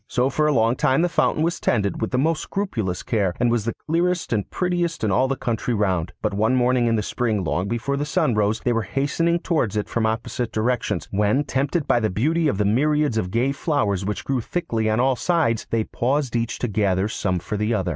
So for a long time the fountain was tended with the most scrupulous care, and was the clearest and prettiest in all the country round. But one morning in the spring, long before the sun rose, they were hastening towards it from opposite directions, when, tempted by the beauty of the myriads of gay flowers which grew thickly on all sides, they paused each to gather some for the other.